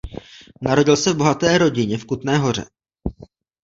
Narodil se v bohaté rodině v Kutné Hoře.